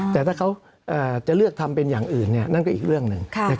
แต่ถ้าเขาจะเลือกทำเป็นอย่างอื่นนั่นก็อีกเรื่องหนึ่ง